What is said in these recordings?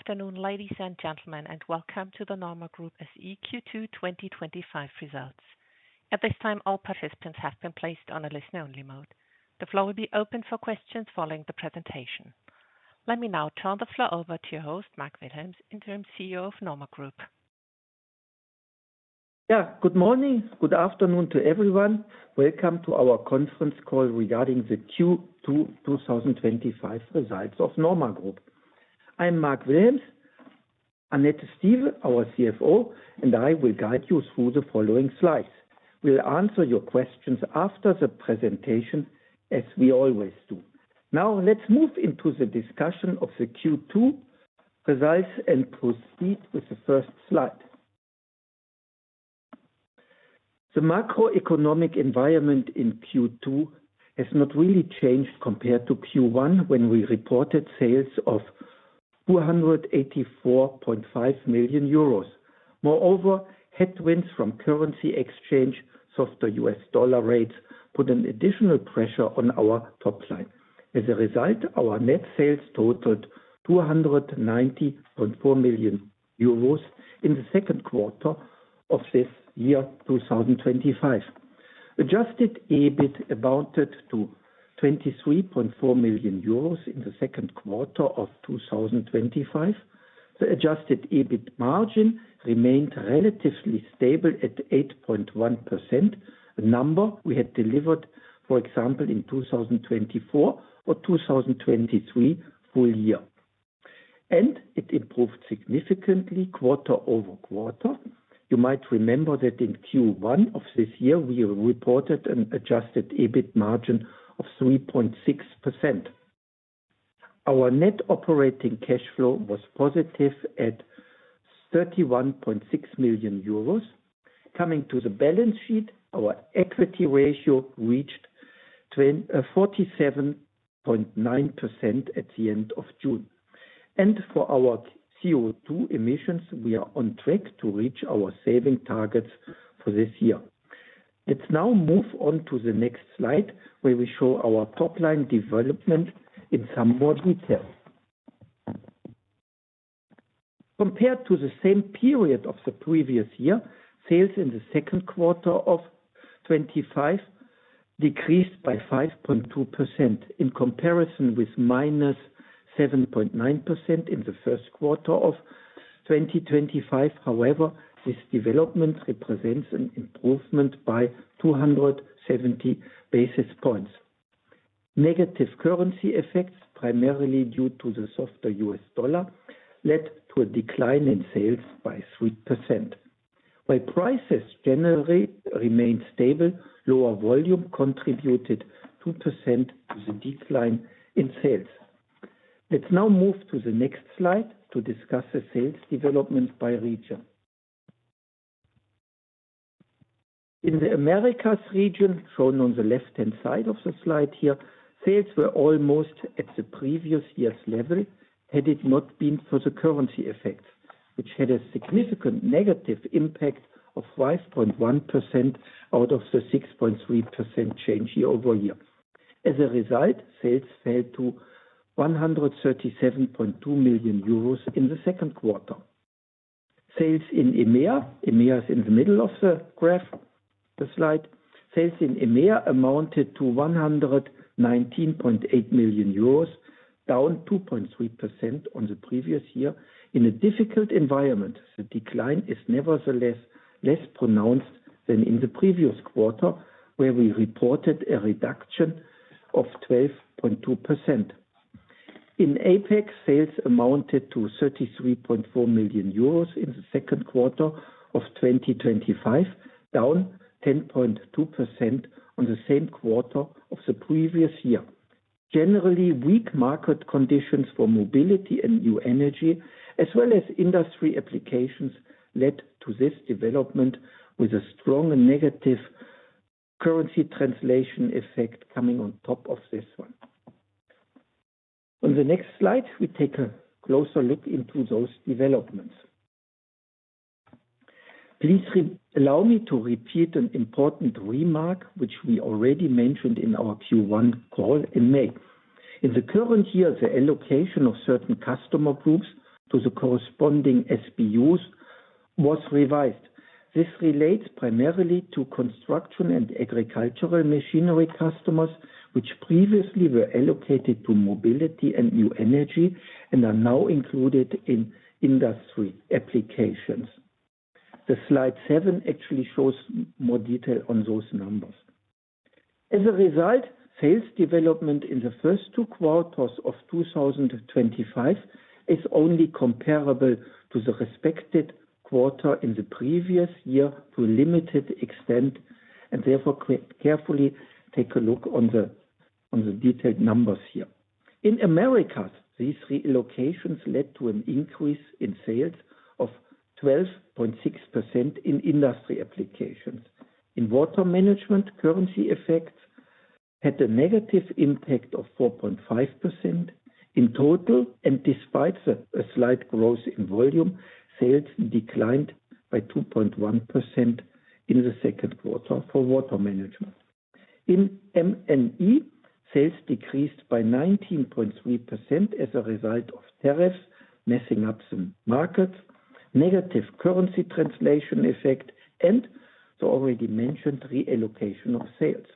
Afternoon, ladies and gentlemen, and welcome to the NORMA Group SE Q2 2025 Results. At this time, all participants have been placed on a listen-only mode. The floor will be open for questions following the presentation. Let me now turn the floor over to your host, Mark Wilhelms, Interim CEO of NORMA Group. Yeah, good morning. Good afternoon to everyone. Welcome to our Conference Call regarding the Q2 2025 Results of NORMA Group. I'm Mark Wilhelms, Annette Stieve, our CFO, and I will guide you through the following slides. We'll answer your questions after the presentation, as we always do. Now, let's move into the discussion of the Q2 results and proceed with the first slide. The macroeconomic environment in Q2 has not really changed compared to Q1 when we reported sales of 284.5 million euros. Moreover, headwinds from currency exchange, softer U.S. dollar rates, put an additional pressure on our top line. As a result, our net sales totaled 290.4 million euros in the second quarter of this year, 2025. Adjusted EBIT amounted to 23.4 million euros in the second quarter of 2025. The adjusted EBIT margin remained relatively stable at 8.1%, a number we had delivered, for example, in 2024 or 2023 full year. It improved significantly quarter-over-quarter. You might remember that in Q1 of this year, we reported an adjusted EBIT margin of 3.6%. Our net operating cash flow was positive at 31.6 million euros. Coming to the balance sheet, our equity ratio reached 47.9% at the end of June. For our CO2 emissions, we are on track to reach our saving targets for this year. Let's now move on to the next slide where we show our top-line development in some more detail. Compared to the same period of the previous year, sales in the second quarter of 2025 decreased by 5.2% in comparison with -7.9% in the first quarter of 2025. However, this development represents an improvement by 270 basis points. Negative currency effects, primarily due to the softer U.S. dollar, led to a decline in sales by 3%. While prices generally remained stable, lower volume contributed 2% to the decline in sales. Let's now move to the next slide to discuss the sales development by region. In the Americas region, shown on the left-hand side of the slide here, sales were almost at the previous year's level had it not been for the currency effect, which had a significant negative impact of 5.1% out of the 6.3% change year-over-year. As a result, sales fell to 137.2 million euros in the second quarter. Sales in EMEA, EMEA is in the middle of the graph, the slide. Sales in EMEA amounted to 119.8 million euros, down 2.3% on the previous year. In a difficult environment, the decline is nevertheless less pronounced than in the previous quarter where we reported a reduction of 12.2%. In APAC, sales amounted to 33.4 million euros in the second quarter of 2025, down 10.2% on the same quarter of the previous year. Generally, weak market conditions for mobility and new energy, as well as industry applications, led to this development, with a strong negative currency translation effect coming on top of this one. On the next slide, we take a closer look into those developments. Please allow me to repeat an important remark which we already mentioned in our Q1 call in May. In the current year, the allocation of certain customer groups to the corresponding SBUs was revised. This relates primarily to construction and agricultural machinery customers, which previously were allocated to mobility and new energy and are now included in industry applications. Slide seven actually shows more detail on those numbers. As a result, sales development in the first two quarters of 2025 is only comparable to the respective quarter in the previous year to a limited extent, and therefore carefully take a look at the detailed numbers here. In Americas, these relocations led to an increase in sales of 12.6% in industry applications. In water management, currency effects had a negative impact of 4.5% in total, and despite a slight growth in volume, sales declined by 2.1% in the second quarter for water management. In M&E, sales decreased by 19.3% as a result of tariffs messing up some markets, negative currency translation effect, and the already mentioned reallocation of sales.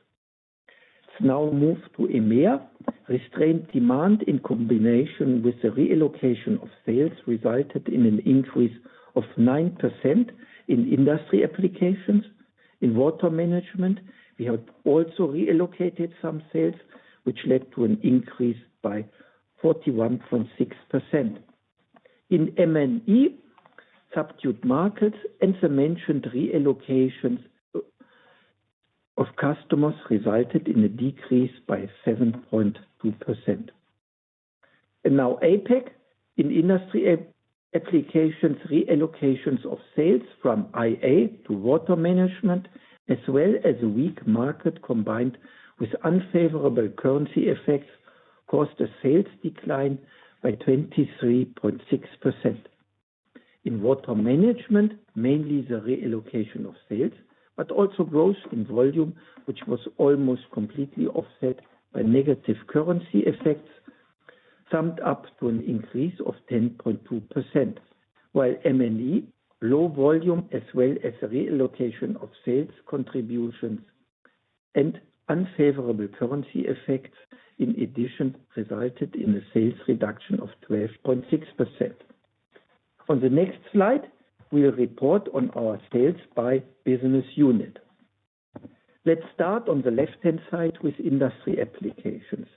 Now move to EMEA. Restrained demand in combination with the reallocation of sales resulted in an increase of 9% in industry applications. In water management, we have also reallocated some sales, which led to an increase by 41.6%. In M&E, subdued markets and the mentioned reallocations of customers resulted in a decrease by 7.3%. Now APAC, in industry applications, reallocations of sales from IA to water management, as well as a weak market combined with unfavorable currency effects, caused a sales decline by 23.6%. In water management, mainly the reallocation of sales, but also growth in volume, which was almost completely offset by negative currency effects, summed up to an increase of 10.2%. In M&E, low volume as well as the reallocation of sales contributions and unfavorable currency effects, in addition, resulted in a sales reduction of 12.6%. On the next slide, we'll report on our sales by business unit. Let's start on the left-hand side with industry applications.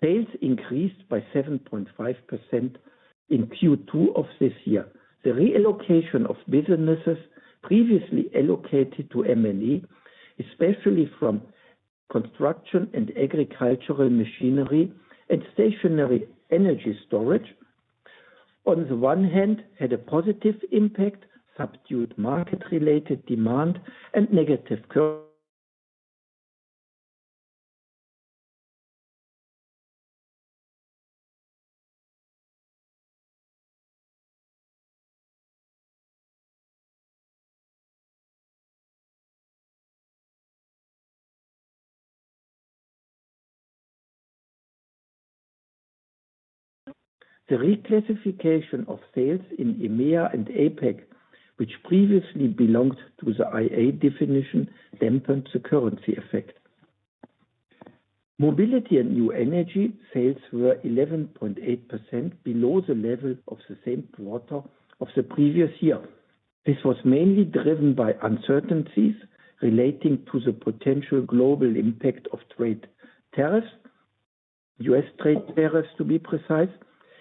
Sales increased by 7.5% in Q2 of this year. The reallocation of businesses previously allocated to M&E, especially from construction and agricultural machinery and stationary energy storage, on the one hand, had a positive impact, subdued market-related demand, and negative currency effects. The reclassification of sales in EMEA and APAC, which previously belonged to the IA definition, dampened the currency effect. Mobility and new energy sales were 11.8% below the level of the same quarter of the previous year. This was mainly driven by uncertainties relating to the potential global impact of trade tariffs, U.S. trade tariffs to be precise,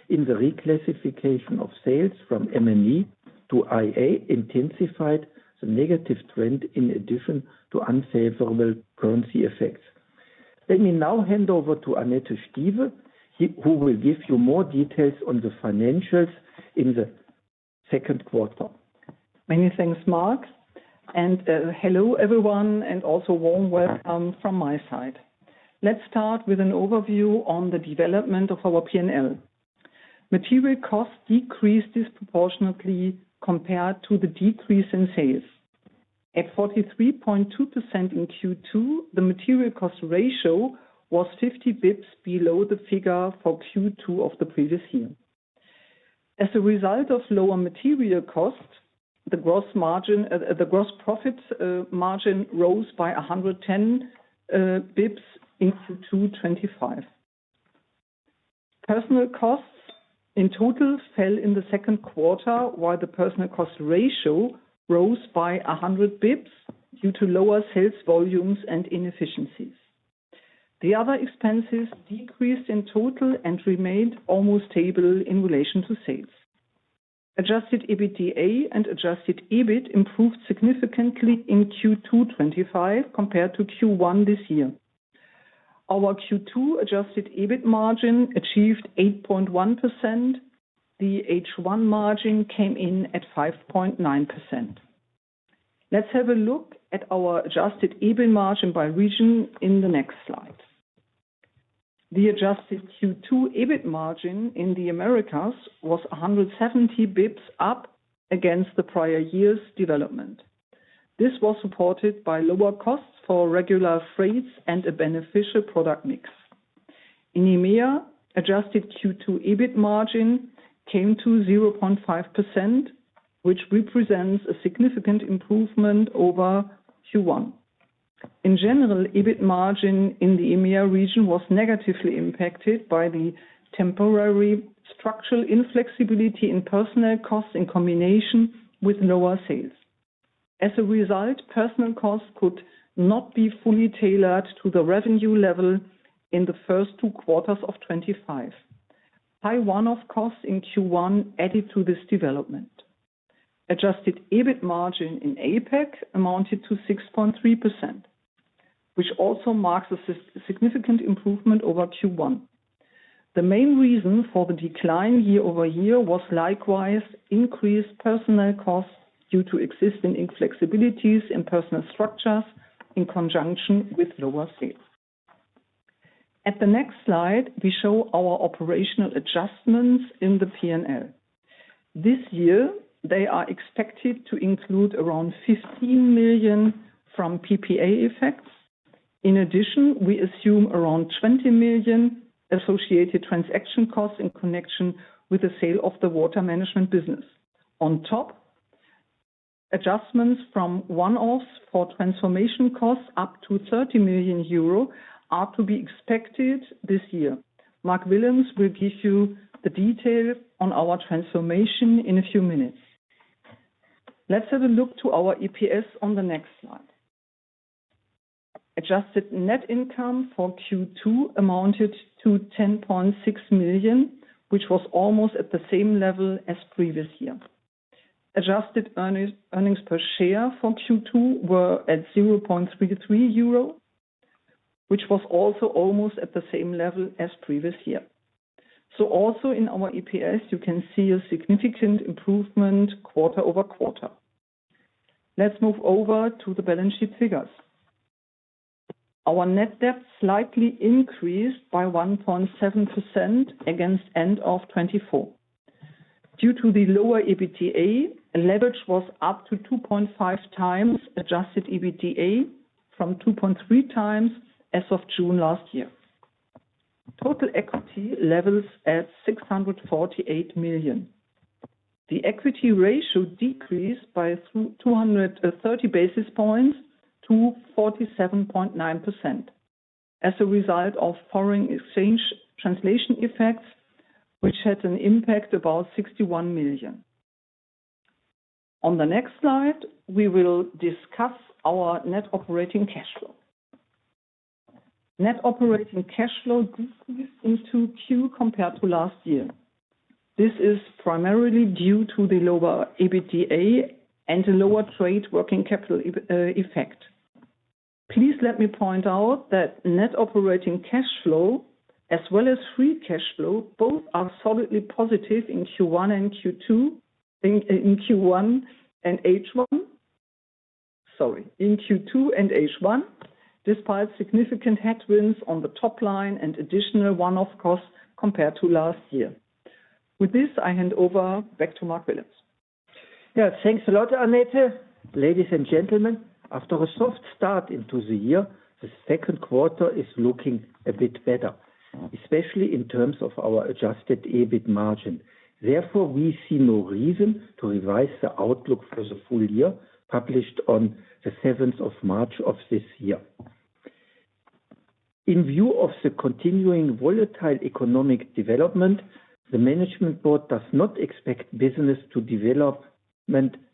and the reclassification of sales from M&E to IA intensified the negative trend in addition to unfavorable currency effects. Let me now hand over to Annette Stieve, who will give you more details on the financials in the second quarter. Many thanks, Mark. Hello everyone, and also a warm welcome from my side. Let's start with an overview on the development of our P&L. Material costs decreased disproportionately compared to the decrease in sales. At 43.2% in Q2, the material cost ratio was 50 bps below the figure for Q2 of the previous year. As a result of lower material costs, the gross profit margin rose by 110 bps in Q2 2025. Personnel costs in total fell in the second quarter, while the personnel cost ratio rose by 100 bps due to lower sales volumes and inefficiencies. The other expenses decreased in total and remained almost stable in relation to sales. Adjusted EBITDA and adjusted EBIT improved significantly in Q2 2025 compared to Q1 this year. Our Q2 adjusted EBIT margin achieved 8.1%. The H1 margin came in at 5.9%. Let's have a look at our adjusted EBIT margin by region in the next slide. The adjusted Q2 EBIT margin in the Americas was 170 bps up against the prior year's development. This was supported by lower costs for regular freights and a beneficial product mix. In EMEA, adjusted Q2 EBIT margin came to 0.5%, which represents a significant improvement over Q1. In general, EBIT margin in the EMEA region was negatively impacted by the temporary structural inflexibility in personnel costs in combination with lower sales. As a result, personnel costs could not be fully tailored to the revenue level in the first two quarters of 2025. High one-off costs in Q1 added to this development. Adjusted EBIT margin in APAC amounted to 6.3%, which also marks a significant improvement over Q1. The main reason for the decline year over year was likewise increased personnel costs due to existing inflexibilities in personnel structures in conjunction with lower sales. At the next slide, we show our operational adjustments in the P&L. This year, they are expected to include around 15 million from PPA effects. In addition, we assume around 20 million associated transaction costs in connection with the sale of the water management business. On top, adjustments from one-offs or transformation costs up to 30 million euro are to be expected this year. Mark Wilhelms will give you the detail on our transformation in a few minutes. Let's have a look to our EPS on the next slide. Adjusted net income for Q2 amounted to 10.6 million, which was almost at the same level as previous year. Adjusted earnings per share for Q2 were at 0.33 euro, which was also almost at the same level as previous year. Also in our EPS, you can see a significant improvement quarter-over-quarter. Let's move over to the balance sheet figures. Our net debt slightly increased by 1.7% against end of 2024. Due to the lower EBITDA, leverage was up to 2.5x adjusted EBITDA from 2.3x as of June last year. Total equity levels at 648 million. The equity ratio decreased by 230 basis points to 47.9% as a result of foreign exchange translation effects, which had an impact of about 61 million. On the next slide, we will discuss our net operating cash flow. Net operating cash flow decreased in Q2 compared to last year. This is primarily due to the lower EBITDA and the lower trade working capital effect. Please let me point out that net operating cash flow, as well as free cash flow, both are solidly positive in Q2 and H1, despite significant headwinds on the top line and additional one-off costs compared to last year. With this, I hand over back to Mark Wilhelms. Yeah, thanks a lot, Annette. Ladies and gentlemen, after a soft start into the year, the second quarter is looking a bit better, especially in terms of our adjusted EBIT margin. Therefore, we see no reason to revise the outlook for the full year published on the 7th of March of this year. In view of the continuing volatile economic development, the Management Board does not expect business to develop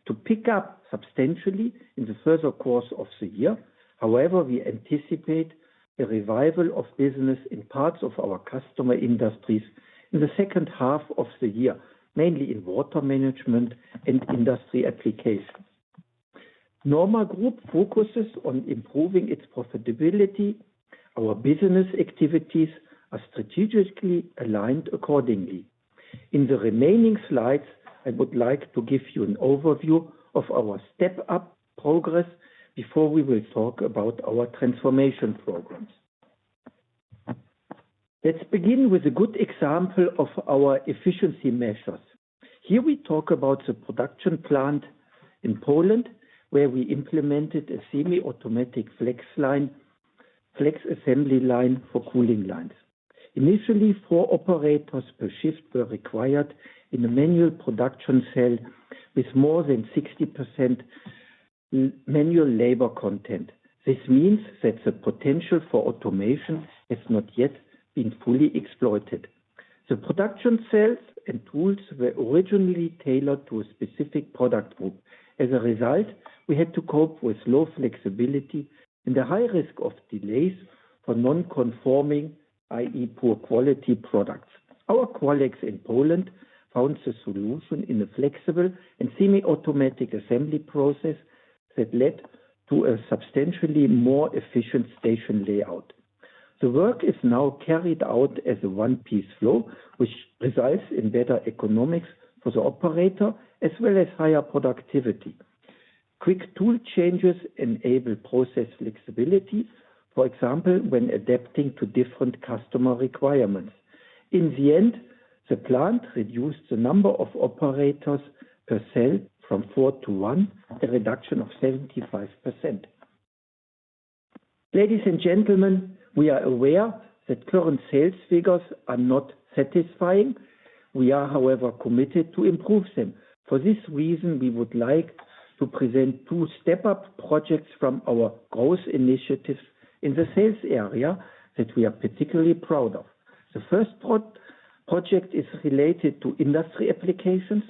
to pick up substantially in the further course of the year. However, we anticipate a revival of business in parts of our customer industries in the second half of the year, mainly in water management and industry application. NORMA Group focuses on improving its profitability. Our business activities are strategically aligned accordingly. In the remaining slides, I would like to give you an overview of our step-up progress before we will talk about our transformation programs. Let's begin with a good example of our efficiency measures. Here we talk about the production plant in Poland, where we implemented a semi-automatic flex assembly line for cooling lines. Initially, four operators per shift were required in a manual production cell with more than 60% manual labor content. This means that the potential for automation has not yet been fully exploited. The production cells and tools were originally tailored to a specific product group. As a result, we had to cope with low flexibility and the high risk of delays for non-conforming, i.e., poor quality products. Our colleagues in Poland found the solution in a flexible and semi-automatic assembly process that led to a substantially more efficient station layout. The work is now carried out as a one-piece flow, which results in better economics for the operator as well as higher productivity. Quick tool changes enable process flexibility, for example, when adapting to different customer requirements. In the end, the plant reduced the number of operators per cell from four to one, a reduction of 75%. Ladies and gentlemen, we are aware that current sales figures are not satisfying. We are, however, committed to improvement. For this reason, we would like to present two step-up projects from our growth initiatives in the sales area that we are particularly proud of. The first project is related to industry applications.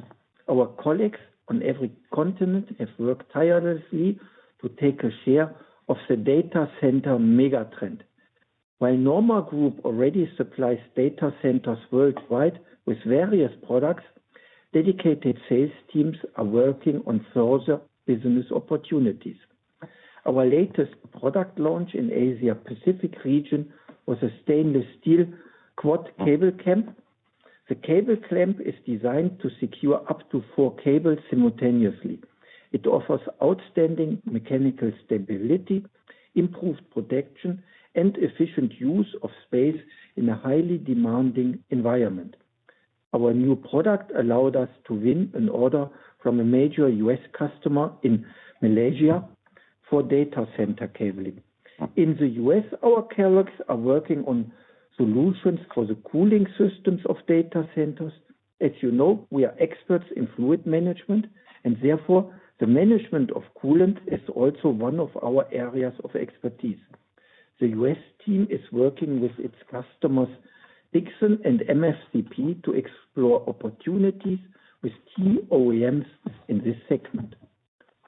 Our colleagues on every continent have worked tirelessly to take a share of the data center megatrend. While NORMA Group already supplies data centers worldwide with various products, dedicated sales teams are working on further business opportunities. Our latest product launch in the Asia-Pacific region was a stainless steel quad cable clamp. The cable clamp is designed to secure up to four cables simultaneously. It offers outstanding mechanical stability, improved protection, and efficient use of space in a highly demanding environment. Our new product allowed us to win an order from a major U.S. customer in Malaysia for data center cabling. In the U.S., our colleagues are working on solutions for the cooling systems of data centers. As you know, we are experts in fluid management, and therefore, the management of coolant is also one of our areas of expertise. The U.S. team is working with its customers, Dixon and MSCP, to explore opportunities with key OEMs in this segment.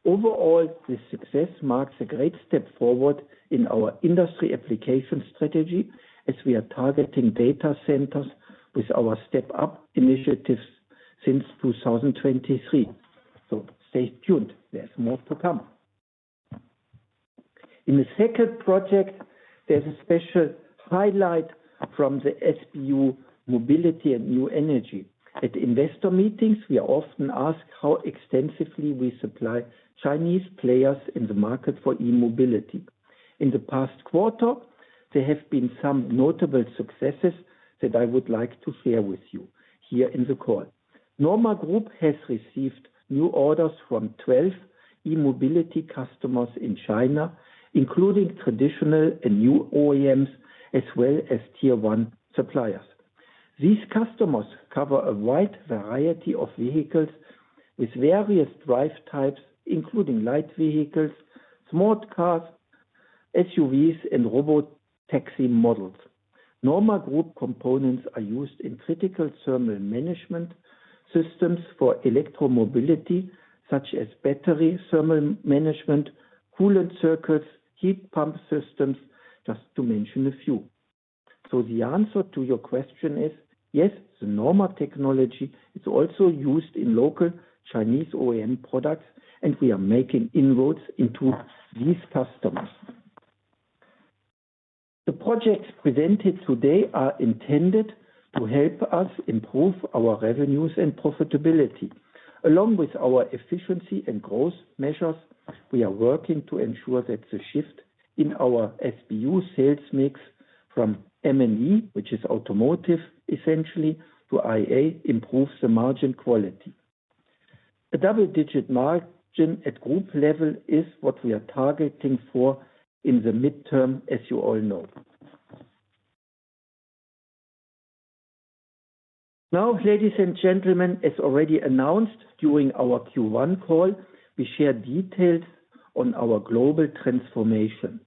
Overall, this success marks a great step forward in our industry application strategy as we are targeting data centers with our step-up initiatives since 2023. Stay tuned, there's more to come. In the second project, there's a special highlight from the SBU Mobility and New Energy. At investor meetings, we are often asked how extensively we supply Chinese players in the market for e-mobility. In the past quarter, there have been some notable successes that I would like to share with you here in the call. NORMA Group has received new orders from 12 e-mobility customers in China, including traditional and new OEMs, as well as tier one suppliers. These customers cover a wide variety of vehicles with various drive types, including light vehicles, smart cars, SUVs, and robotaxi models. NORMA Group components are used in critical thermal management systems for electromobility, such as battery thermal management, coolant circuits, heat pump systems, just to mention a few. The answer to your question is yes, the NORMA technology is also used in local Chinese OEM products, and we are making inroads into these customers. The projects presented today are intended to help us improve our revenues and profitability. Along with our efficiency and growth measures, we are working to ensure that the shift in our SBU sales mix from M&E, which is automotive essentially, to IA improves the margin quality. A double-digit margin at group level is what we are targeting for in the midterm, as you all know. Now, ladies and gentlemen, as already announced during our Q1 call, we share details on our global transformation.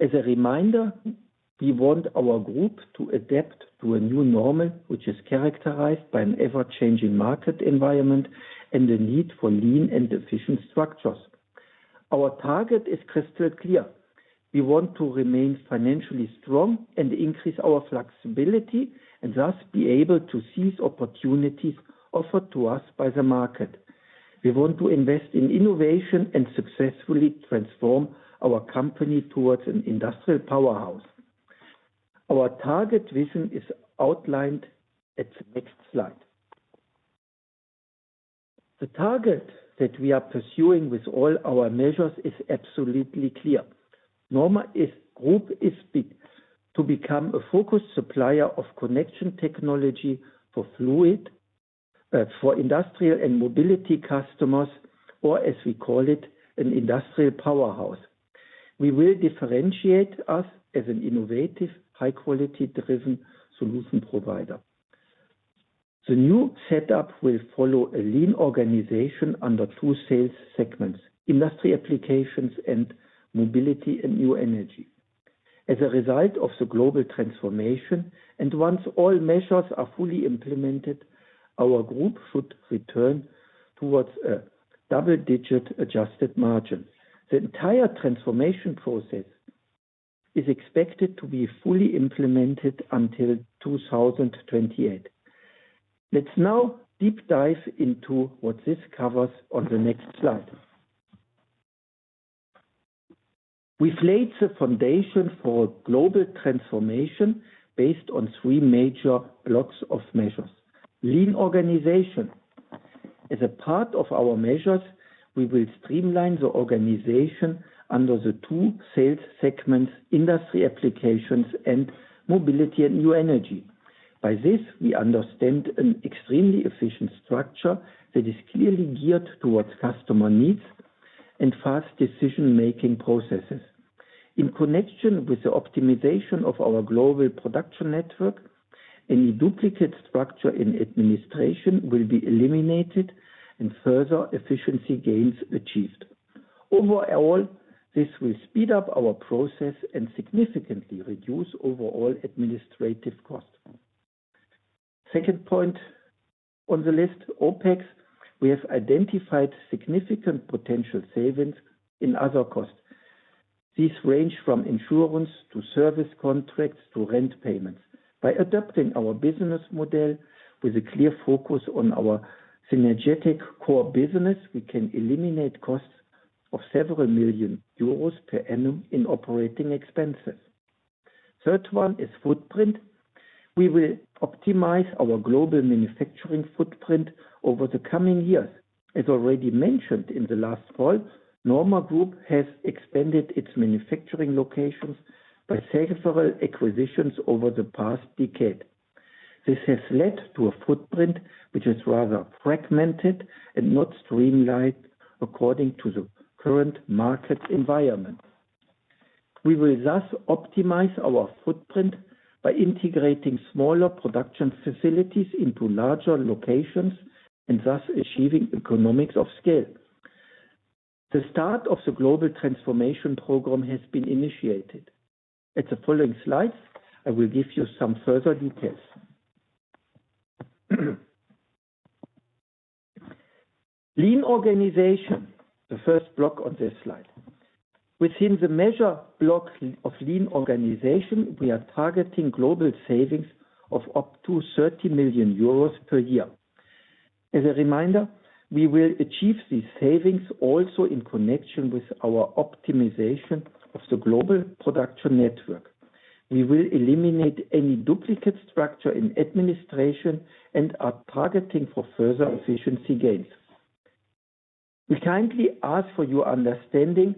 As a reminder, we want our group to adapt to a new normal, which is characterized by an ever-changing market environment and the need for lean and efficient structures. Our target is crystal clear. We want to remain financially strong and increase our flexibility and thus be able to seize opportunities offered to us by the market. We want to invest in innovation and successfully transform our company towards an industrial powerhouse. Our target vision is outlined at the next slide. The target that we are pursuing with all our measures is absolutely clear. NORMA Group is to become a focused supplier of connection technology for industrial and mobility customers, or as we call it, an industrial powerhouse. We will differentiate us as an innovative, high-quality driven solution provider. The new setup will follow a lean organization under two sales segments: industry applications and mobility and new energy. As a result of the global transformation, and once all measures are fully implemented, our group should return towards a double-digit adjusted EBIT margin. The entire transformation process is expected to be fully implemented until 2028. Let's now deep dive into what this covers on the next slide. We've laid the foundation for global transformation based on three major blocks of measures. Lean organization. As a part of our measures, we will streamline the organization under the two sales segments: industry applications and mobility and new energy. By this, we understand an extremely efficient structure that is clearly geared towards customer needs and fast decision-making processes. In connection with the optimization of our global production network, any duplicate structure in administration will be eliminated and further efficiency gains achieved. Overall, this will speed up our process and significantly reduce overall administrative costs. Second point on the list, OpEx, we have identified significant potential savings in other costs. These range from insurance to service contracts to rent payments. By adopting our business model with a clear focus on our synergetic core business, we can eliminate costs of several million euros per annum in operating expenses. The third one is footprint. We will optimize our global manufacturing footprint over the coming years. As already mentioned in the last call, NORMA Group SE has expanded its manufacturing locations by several acquisitions over the past decade. This has led to a footprint which is rather fragmented and not streamlined according to the current market environment. We will thus optimize our footprint by integrating smaller production facilities into larger locations and thus achieving economies of scale. The start of the global transformation program has been initiated. In the following slides, I will give you some further details. Lean organization, the first block on this slide. Within the measure block of lean organization, we are targeting global savings of up to 30 million euros per year. As a reminder, we will achieve these savings also in connection with our optimization of the global production network. We will eliminate any duplicate structure in administration and are targeting further efficiency gains. We kindly ask for your understanding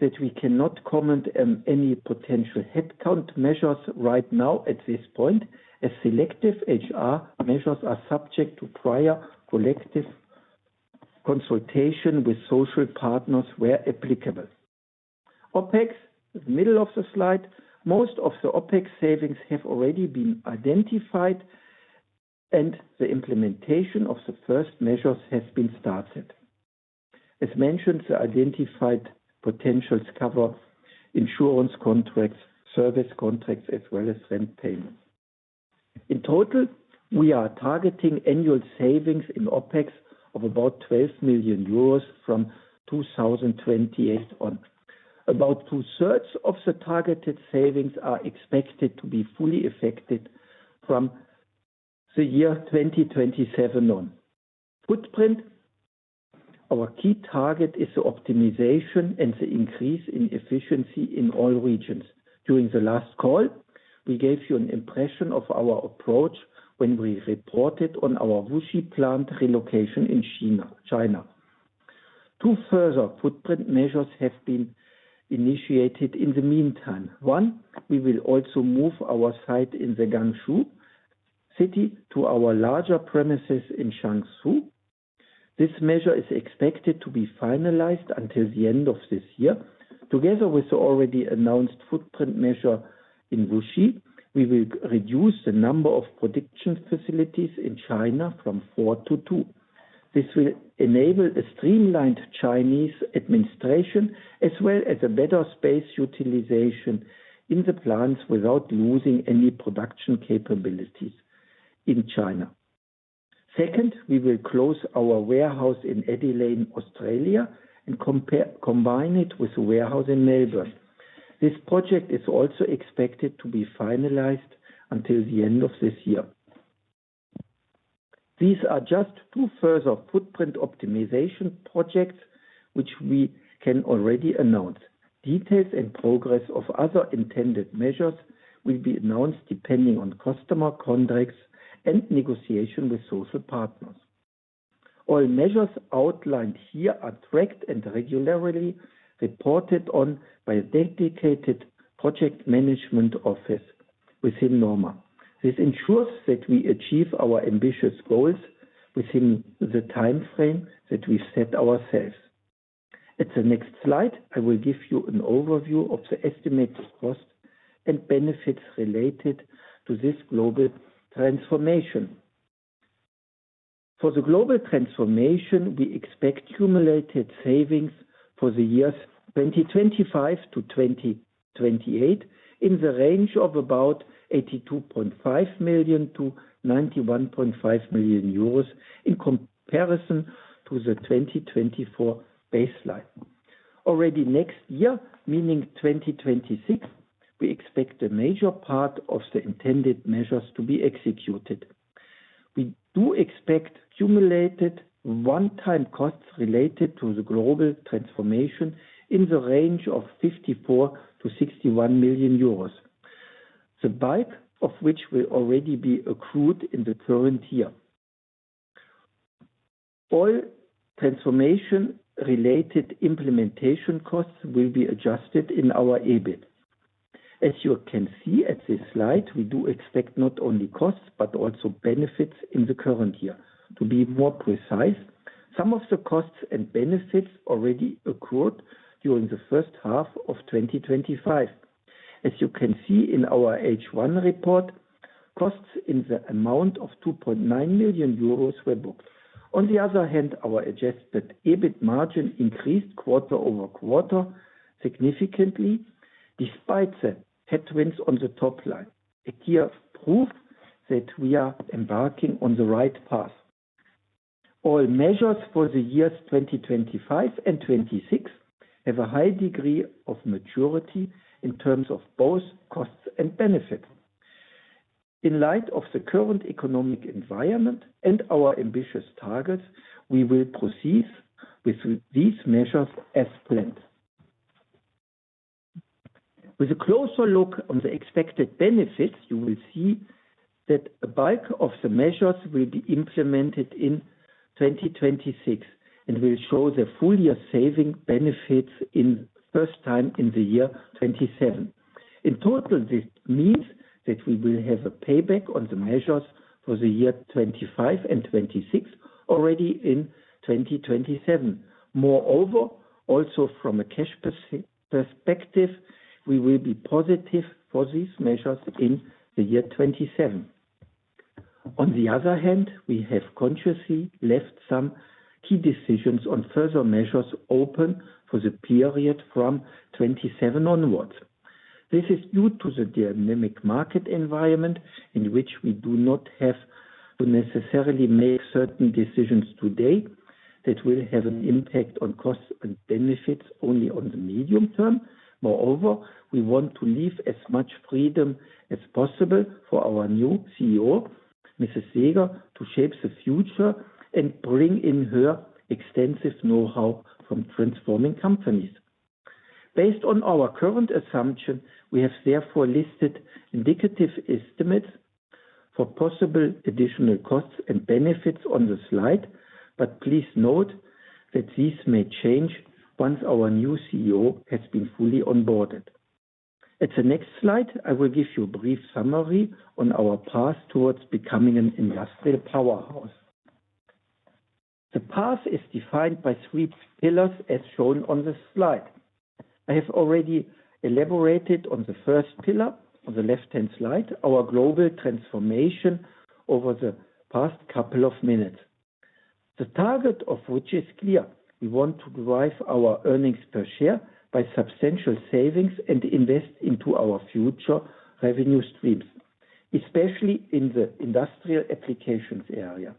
that we cannot comment on any potential headcount measures right now at this point, as selective HR measures are subject to prior collective consultation with social partners where applicable. OpEx, the middle of the slide, most of the OpEx savings have already been identified and the implementation of the first measures has been started. As mentioned, the identified potentials cover insurance contracts, service contracts, as well as rent payments. In total, we are targeting annual savings in OpEx of about 12 million euros from 2028 on. About two-thirds of the targeted savings are expected to be fully effective from the year 2027 on. Footprint, our key target is the optimization and the increase in efficiency in all regions. During the last call, we gave you an impression of our approach when we reported on our Wuxi plant relocation in China. Two further footprint measures have been initiated in the meantime. One, we will also move our site in the Guangzhou city to our larger premises in Changzhou. This measure is expected to be finalized by the end of this year. Together with the already announced footprint measure in Wuxi, we will reduce the number of production facilities in China from four to two. This will enable a streamlined Chinese administration as well as better space utilization in the plants without losing any production capabilities in China. Second, we will close our warehouse in Adelaide, Australia, and combine it with a warehouse in Melbourne. This project is also expected to be finalized until the end of this year. These are just two further footprint optimization projects which we can already announce. Details and progress of other intended measures will be announced depending on customer contacts and negotiation with social partners. All measures outlined here are tracked and regularly reported on by a dedicated project management office within NORMA. This ensures that we achieve our ambitious goals within the timeframe that we've set ourselves. At the next slide, I will give you an overview of the estimated cost and benefits related to this global transformation. For the global transformation, we expect cumulated savings for the years 2025 to 2028 in the range of about 82.5 million-91.5 million in comparison to the 2024 baseline. Already next year, meaning 2026, we expect a major part of the intended measures to be executed. We do expect cumulated one-time costs related to the global transformation in the range of 54 million-61 million euros, the bulk of which will already be accrued in the current year. All transformation-related implementation costs will be adjusted in our EBIT. As you can see at this slide, we do expect not only costs but also benefits in the current year. To be more precise, some of the costs and benefits already accrued during the first half of 2025. As you can see in our H1 report, costs in the amount of 2.9 million euros were booked. On the other hand, our adjusted EBIT margin increased quarter over quarter significantly despite the headwinds on the top line. A clear proof that we are embarking on the right path. All measures for the years 2025 and 2026 have a high degree of maturity in terms of both costs and benefits. In light of the current economic environment and our ambitious targets, we will proceed with these measures as planned. With a closer look on the expected benefits, you will see that a bulk of the measures will be implemented in 2026 and will show the full year saving benefits for the first time in the year 2027. In total, this means that we will have a payback on the measures for the year 2025 and 2026 already in 2027. Moreover, also from a cash perspective, we will be positive for these measures in the year 2027. On the other hand, we have consciously left some key decisions on further measures open for the period from 2027 onwards. This is due to the dynamic market environment in which we do not have to necessarily make certain decisions today that will have an impact on costs and benefits only on the medium term. Moreover, we want to leave as much freedom as possible for our new CEO, Mrs. Seeger, to shape the future and bring in her extensive know-how from transforming companies. Based on our current assumption, we have therefore listed indicative estimates for possible additional costs and benefits on the slide, but please note that these may change once our new CEO has been fully onboarded. At the next slide, I will give you a brief summary on our path towards becoming an industrial powerhouse. The path is defined by three pillars, as shown on this slide. I have already elaborated on the first pillar on the left-hand slide, our global transformation over the past couple of minutes. The target of which is clear. We want to drive our earnings per share by substantial savings and invest into our future revenue streams, especially in the industrial applications area.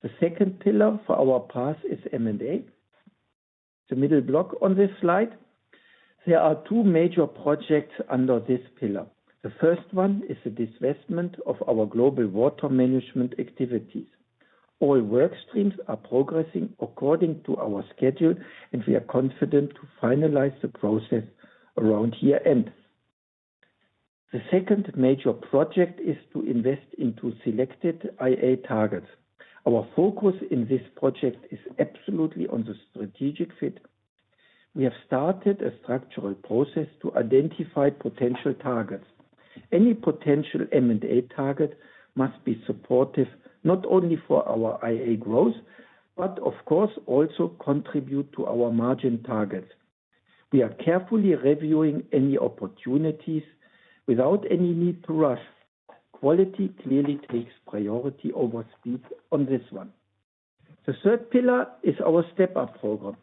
The second pillar for our path is M&A. The middle block on this slide, there are two major projects under this pillar. The first one is the disbursement of our global water management activities. All work streams are progressing according to our schedule, and we are confident to finalize the process around year end. The second major project is to invest into selected IA targets. Our focus in this project is absolutely on the strategic fit. We have started a structural process to identify potential targets. Any potential M&A target must be supportive not only for our IA growth, but of course also contribute to our margin targets. We are carefully reviewing any opportunities without any need to rush. Quality clearly takes priority over speed on this one. The third pillar is our step-up program.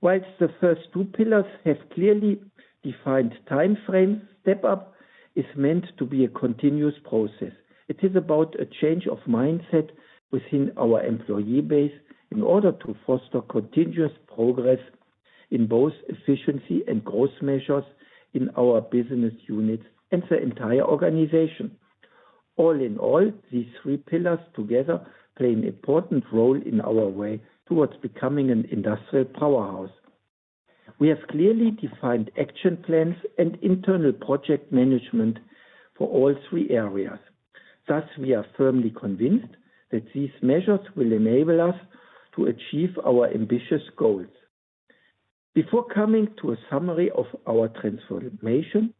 While the first two pillars have clearly defined timeframes, step-up is meant to be a continuous process. It is about a change of mindset within our employee base in order to foster continuous progress in both efficiency and growth measures in our business units and the entire organization. All in all, these three pillars together play an important role in our way towards becoming an industrial powerhouse. We have clearly defined action plans and internal project management for all three areas. Thus, we are firmly convinced that these measures will enable us to achieve our ambitious goals. Before coming to a summary of our transformation,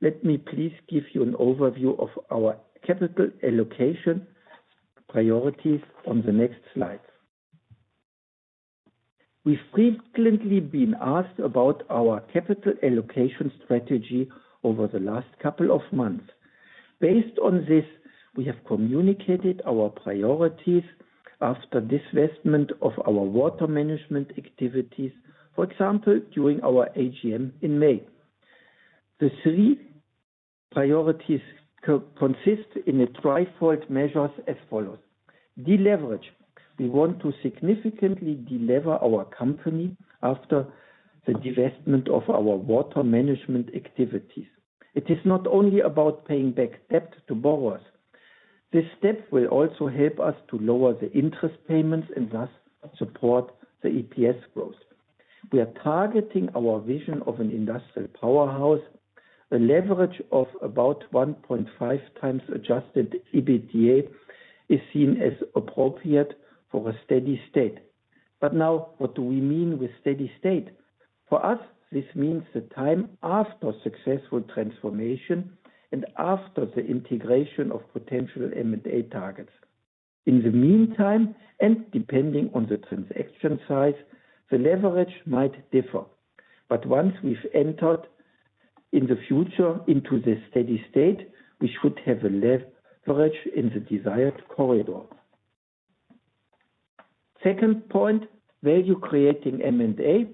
let me please give you an overview of our capital allocation priorities on the next slide. We've frequently been asked about our capital allocation strategy over the last couple of months. Based on this, we have communicated our priorities after disbursement of our water management activities, for example, during our AGM in May. The three priorities consist in a trifold measure as follows: deleverage. We want to significantly deleverage our company after the divestment of our water management activities. It is not only about paying back debt to borrowers. This step will also help us to lower the interest payments and thus support the EPS growth. We are targeting our vision of an industrial powerhouse. A leverage of about 1.5x adjusted EBITDA is seen as appropriate for a steady state. Now, what do we mean with steady state? For us, this means the time after successful transformation and after the integration of potential M&A targets. In the meantime, and depending on the transaction size, the leverage might differ. Once we've entered in the future into the steady state, we should have a leverage in the desired corridor. Second point, value-creating M&A.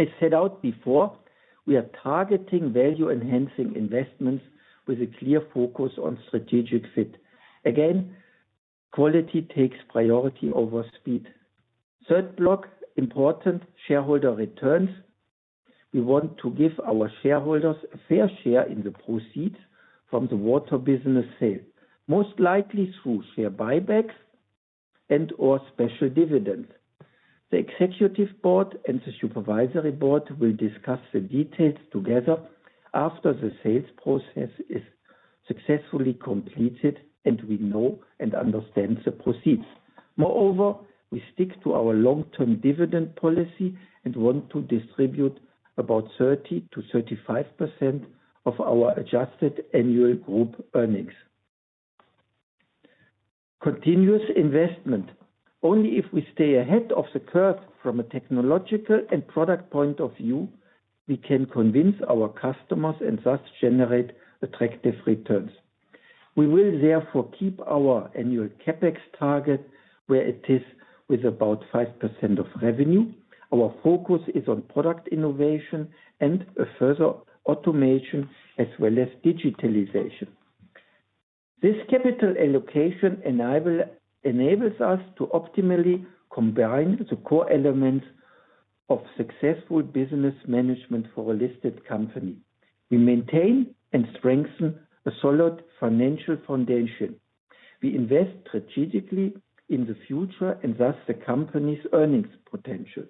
As set out before, we are targeting value-enhancing investments with a clear focus on strategic fit. Again, quality takes priority over speed. Third block, important shareholder returns. We want to give our shareholders a fair share in the proceeds from the water business sale, most likely through share buybacks and/or special dividends. The Executive Board and the Supervisory Board will discuss the details together after the sales process is successfully completed and we know and understand the proceeds. Moreover, we stick to our long-term dividend policy and want to distribute about 30%-35% of our adjusted annual group earnings. Continuous investment. Only if we stay ahead of the curve from a technological and product point of view, we can convince our customers and thus generate attractive returns. We will therefore keep our annual CapEx target where it is with about 5% of revenue. Our focus is on product innovation and further automation as well as digitalization. This capital allocation enables us to optimally combine the core elements of successful business management for a listed company. We maintain and strengthen a solid financial foundation. We invest strategically in the future and thus the company's earnings potential.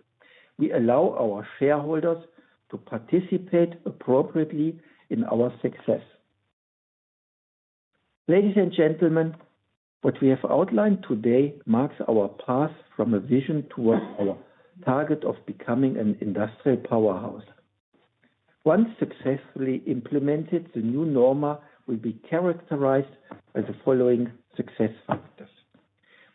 We allow our shareholders to participate appropriately in our success. Ladies and gentlemen, what we have outlined today marks our path from a vision to our target of becoming an industrial powerhouse. Once successfully implemented, the new NORMA will be characterized by the following success factors.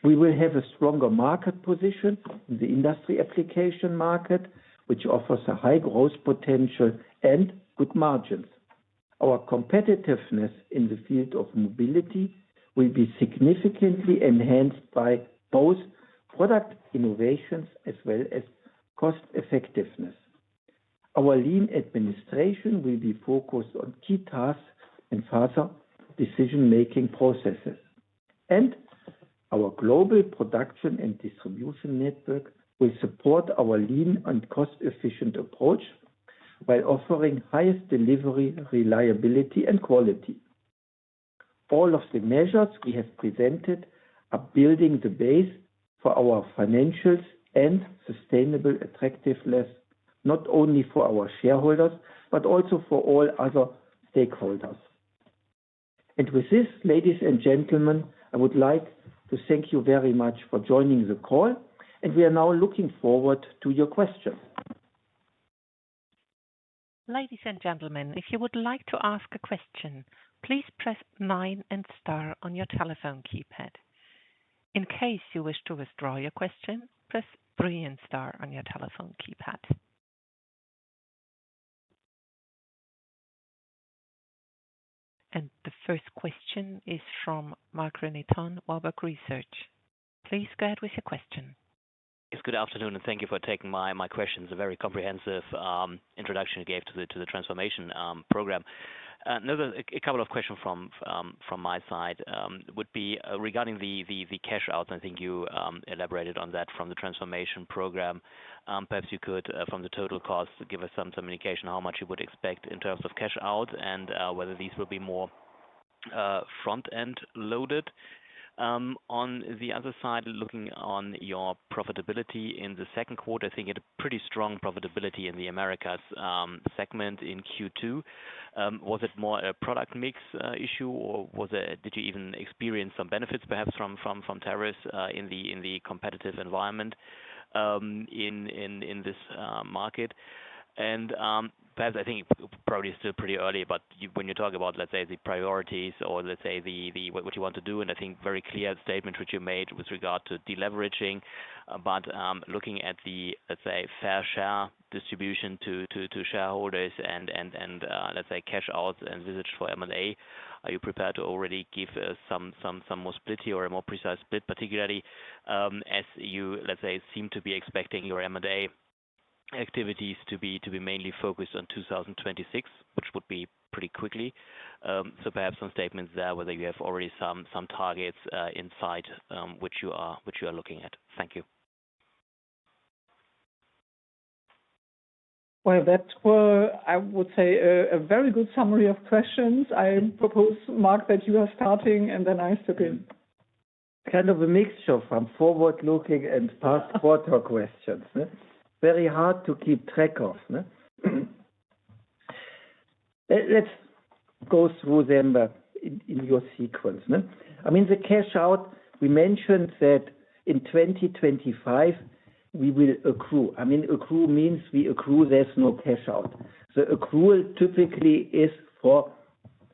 We will have a stronger market position in the industry application market, which offers a high growth potential and good margins. Our competitiveness in the field of mobility will be significantly enhanced by both product innovations as well as cost effectiveness. Our lean administration will be focused on key tasks and faster decision-making processes. Our global production and distribution network will support our lean and cost-efficient approach while offering highest delivery, reliability, and quality. All of the measures we have presented are building the base for our financials and sustainable attractiveness, not only for our shareholders but also for all other stakeholders. With this, ladies and gentlemen, I would like to thank you very much for joining the call, and we are now looking forward to your questions. Ladies and gentlemen, if you would like to ask a question, please press nine and star on your telephone keypad. In case you wish to withdraw your question, press three and star on your telephone keypad. The first question is from Marc-René Tonn, Warburg Research. Please go ahead with your question. Yes, good afternoon, and thank you for taking my questions. A very comprehensive introduction you gave to the transformation program. Another couple of questions from my side would be regarding the cash outs. I think you elaborated on that from the transformation program. Perhaps you could, from the total cost, give us some indication how much you would expect in terms of cash out and whether these will be more front-end loaded. On the other side, looking on your profitability in the second quarter, I think you had a pretty strong profitability in the Americas segment in Q2. Was it more a product mix issue, or did you even experience some benefits perhaps from tariffs in the competitive environment in this market? I think it's probably still pretty early, but when you talk about, let's say, the priorities or what you want to do, and I think very clear statement which you made with regard to deleveraging. Looking at the, let's say, fair share distribution to shareholders and, let's say, cash outs and visits for M&A, are you prepared to already give us some more splitty or a more precise split, particularly as you, let's say, seem to be expecting your M&A activities to be mainly focused on 2026, which would be pretty quickly. Perhaps some statements there whether you have already some targets in sight which you are looking at. Thank you. That was, I would say, a very good summary of questions. I propose, Mark, that you are starting and then I step in. Kind of a mixture from forward-looking and past quarter questions. Very hard to keep track of. Let's go through them in your sequence. The cash out, we mentioned that in 2025, we will accrue. Accrue means we accrue, there's no cash out. The accrual typically is for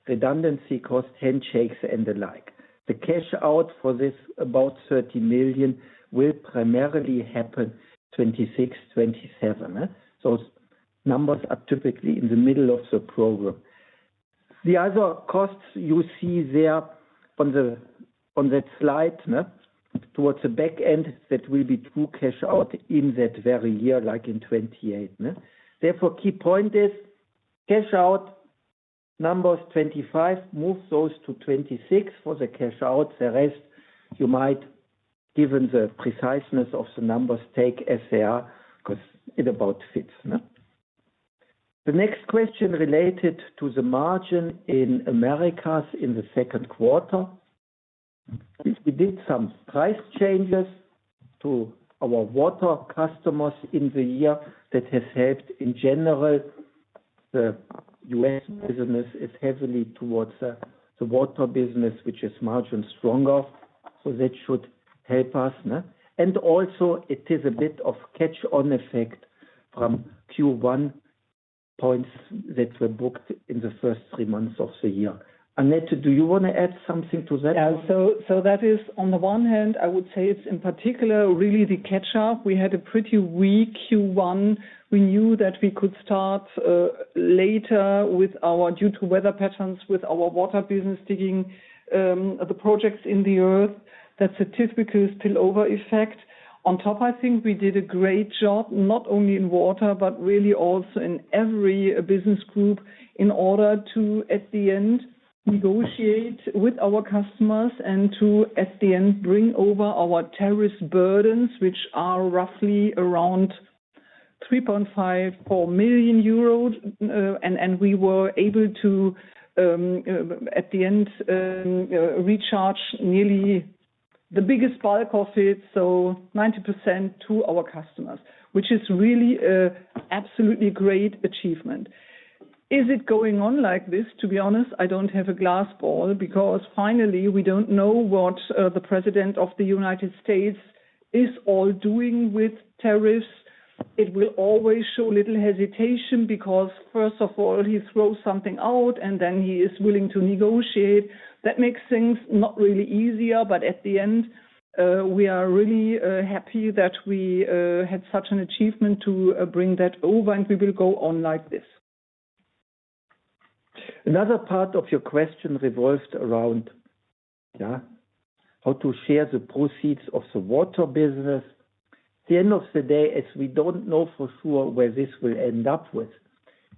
redundancy costs, handshakes, and the like. The cash out for this, about 30 million, will primarily happen in 2026, 2027. Numbers are typically in the middle of the program. The other costs you see there on that slide, towards the back end, that will be true cash out in that very year, like in 2028. Therefore, key point is cash out numbers 2025, move those to 2026 for the cash outs. The rest, you might, given the preciseness of the numbers, take as they are because it about fits. The next question related to the margin in Americas in the second quarter. We did some price changes to our water customers in the year that has helped in general. The U.S. business is heavily towards the water business, which is margin stronger. That should help us. It is a bit of catch-on effect from Q1 points that were booked in the first three months of the year. Annette, do you want to add something to that? Yeah, so that is, on the one hand, I would say it's in particular really the catch-up. We had a pretty weak Q1. We knew that we could start later with our, due to weather patterns, with our water business digging, the projects in the earth, that statistical spillover effect. On top, I think we did a great job, not only in water, but really also in every business group in order to, at the end, negotiate with our customers and to, at the end, bring over our tariff burdens, which are roughly around 3.5 million-4 million euros. We were able to, at the end, recharge nearly the biggest bulk of it, so 90% to our customers, which is really an absolutely great achievement. Is it going on like this? To be honest, I don't have a glass ball because finally, we don't know what the President of the United States. is all doing with tariffs. It will always show little hesitation because, first of all, he throws something out and then he is willing to negotiate. That makes things not really easier, but at the end, we are really happy that we had such an achievement to bring that over and we will go on like this. Another part of your question revolved around how to share the proceeds of the water business. At the end of the day, as we don't know for sure where this will end up with,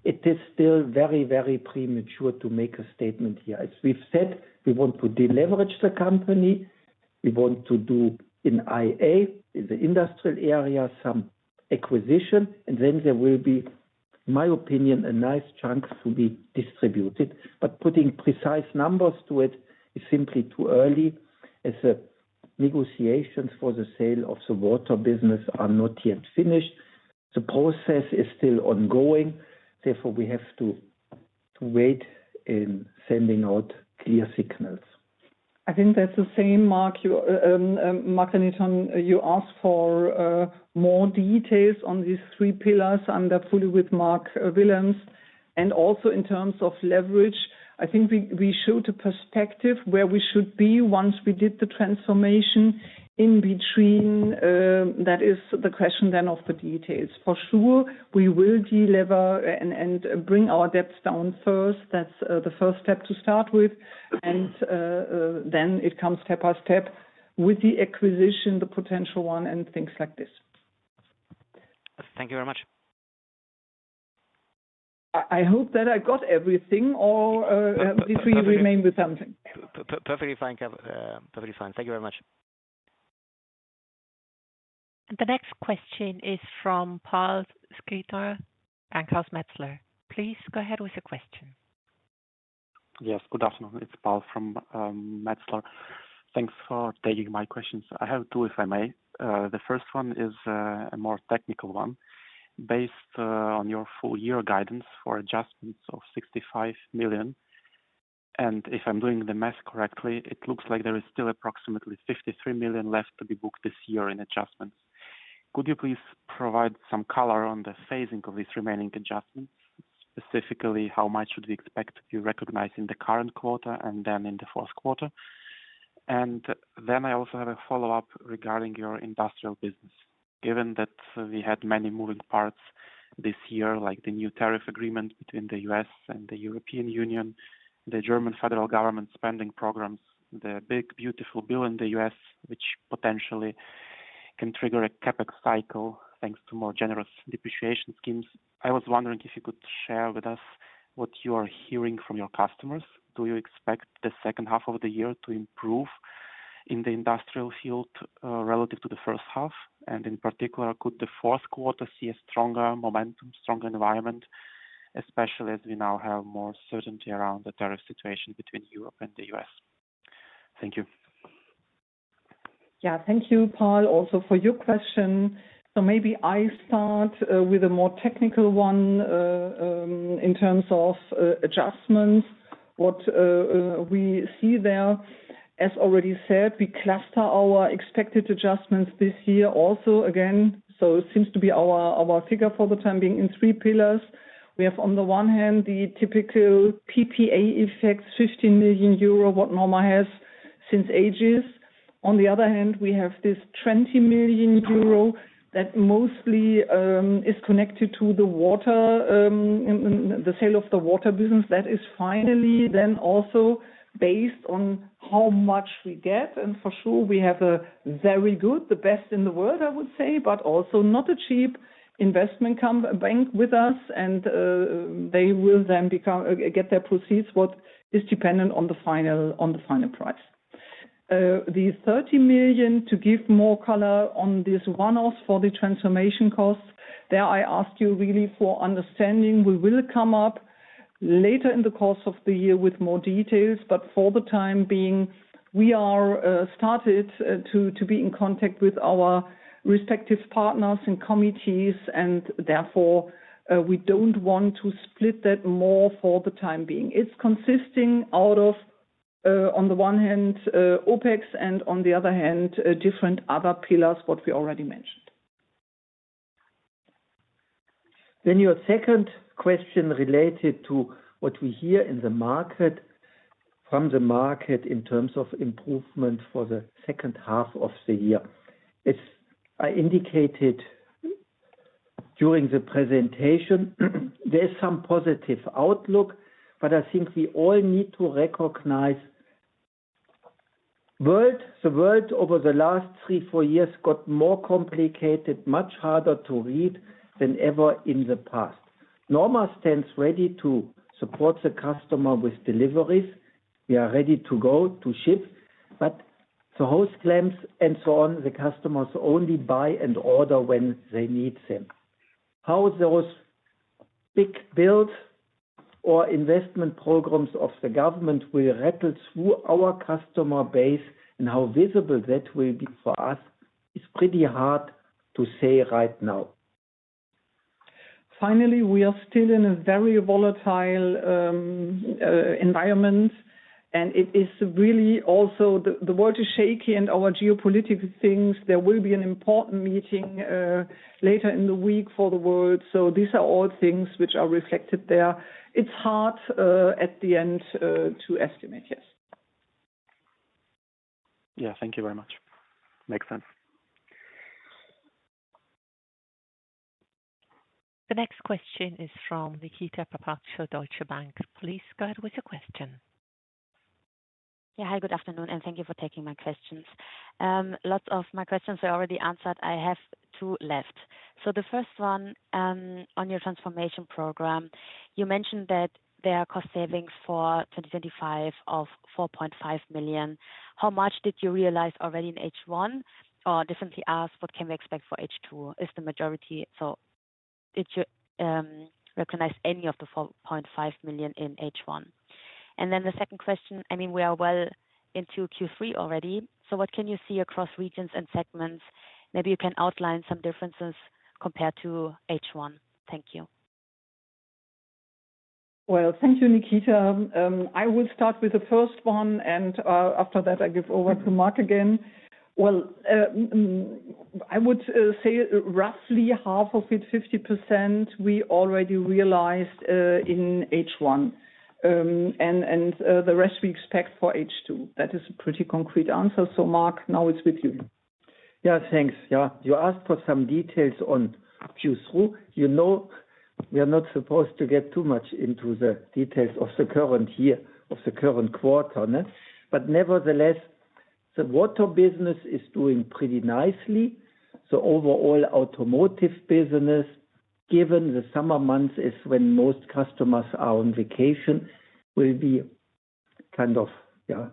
it is still very, very premature to make a statement here. As we've said, we want to deleverage the company. We want to do in IA, in the industrial area, some acquisition, and there will be, in my opinion, a nice chunk to be distributed. Putting precise numbers to it is simply too early as the negotiations for the sale of the water business are not yet finished. The process is still ongoing. Therefore, we have to wait in sending out clear signals. I think that's the same, Mark. Marc-René Tonn you asked for more details on these three pillars. I'm there fully with Mark Wilhelms. Also, in terms of leverage, I think we showed a perspective where we should be once we did the transformation in between. That is the question then of the details. For sure, we will deliver and bring our debts down first. That's the first step to start with. It comes step by step with the acquisition, the potential one, and things like this. Thank you very much. I hope that I got everything, or if we remain with something. Perfectly fine. Thank you very much. The next question is from Paul Skirta Bankhaus Metzler. Please go ahead with your question. Yes, good afternoon. It's Paul from Metzler. Thanks for taking my questions. I have two, if I may. The first one is a more technical one. Based on your full year guidance for adjustments of 65 million, and if I'm doing the math correctly, it looks like there is still approximately 53 million left to be booked this year in adjustments. Could you please provide some color on the phasing of these remaining adjustments? Specifically, how much should we expect to be recognized in the current quarter and then in the fourth quarter? I also have a follow-up regarding your industrial business. Given that we had many moving parts this year, like the new tariff agreement between the U.S. and the European Union, the German federal government spending programs, the Big Beautiful Bill in the U.S., which potentially can trigger a CapEx cycle thanks to more generous depreciation schemes. I was wondering if you could share with us what you are hearing from your customers. Do you expect the second half of the year to improve in the industrial field relative to the first half? In particular, could the fourth quarter see a stronger momentum, stronger environment, especially as we now have more certainty around the tariff situation between Europe and the U.S.? Thank you. Thank you, Paul, also for your question. Maybe I start with a more technical one in terms of adjustments. What we see there, as already said, we cluster our expected adjustments this year also again. It seems to be our figure for the time being in three pillars. We have, on the one hand, the typical PPA effects, 15 million euro, what NORMA Group SE has since ages. On the other hand, we have this 20 million euro that mostly is connected to the sale of the water management business. That is finally then also based on how much we get. For sure, we have a very good, the best in the world, I would say, but also not a cheap investment bank with us. They will then get their proceeds, which is dependent on the final price. The 30 million, to give more color on this one-off for the transformation costs, there I ask you really for understanding. We will come up later in the course of the year with more details. For the time being, we have started to be in contact with our respective partners and committees. Therefore, we don't want to split that more for the time being. It's consisting out of, on the one hand, OpEx and, on the other hand, different other pillars, what we already mentioned. Your second question related to what we hear in the market in terms of improvement for the second half of the year. As I indicated during the presentation, there's some positive outlook, but I think we all need to recognize the world over the last three or four years got more complicated, much harder to read than ever in the past. NORMA Group SE stands ready to support the customer with deliveries. We are ready to go to ship the hose clamps and so on. The customers only buy and order when they need them. How those big builds or investment programs of the government will rattle through our customer base and how visible that will be for us is pretty hard to say right now. Finally, we are still in a very volatile environment, and it is really also the world is shaky and our geopolitical things. There will be an important meeting later in the week for the world. These are all things which are reflected there. It's hard at the end to estimate, yes. Yeah, thank you very much. Makes sense. The next question is from Nikita Papaccio, Deutsche Bank. Please go ahead with your question. Yeah, hi, good afternoon, and thank you for taking my questions. Lots of my questions were already answered. I have two left. The first one on your transformation program, you mentioned that there are cost savings for 2025 of 4.5 million. How much did you realize already in H1? Or differently asked, what can we expect for H2? Is the majority? Did you recognize any of the 4.5 million in H1? The second question, I mean, we are well into Q3 already. What can you see across regions and segments? Maybe you can outline some differences compared to H1. Thank you. Thank you, Nikita. I will start with the first one, and after that, I give over to Mark again. I would say roughly half of it, 50%, we already realized in H1. The rest we expect for H2. That is a pretty concrete answer. Mark, now it's with you. Yeah, thanks. You asked for some details on Q3. You know, we are not supposed to get too much into the details of the current year, of the current quarter. Nevertheless, the water business is doing pretty nicely. The overall automotive business, given the summer months is when most customers are on vacation, will be kind of, yeah,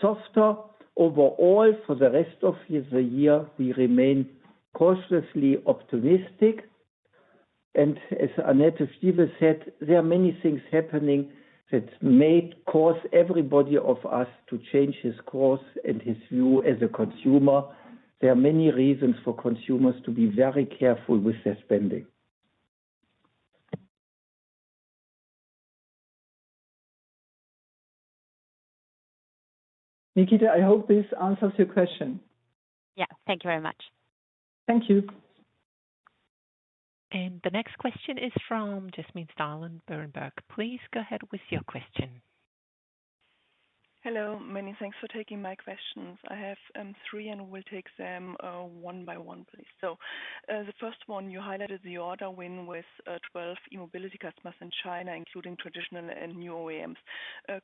softer overall for the rest of the year. We remain cautiously optimistic. As Annette Stieve said, there are many things happening that may cause everybody of us to change his course and his view as a consumer. There are many reasons for consumers to be very careful with their spending. Nikita, I hope this answers your question. Yes, thank you very much. Thank you. The next question is from Yasmin Steilen, Berenberg. Please go ahead with your question. Hello, many thanks for taking my questions. I have three and we will take them one by one, please. The first one, you highlighted the order win with 12 e-mobility customers in China, including traditional and new OEMs.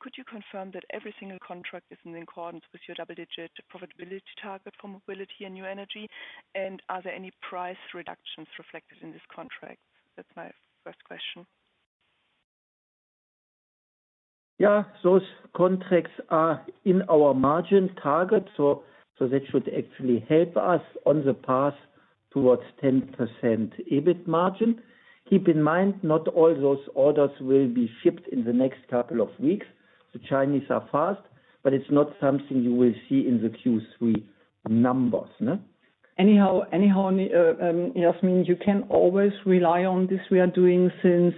Could you confirm that every single contract is in accordance with your double-digit profitability target for mobility and new energy? Are there any price reductions reflected in this contract? That's my first question. Yeah, those contracts are in our margin target. That should actually help us on the path towards 10% EBIT margin. Keep in mind, not all those orders will be shipped in the next couple of weeks. The Chinese are fast, but it's not something you will see in the Q3 numbers. Anyhow, Yasmin, you can always rely on this. We are doing this since,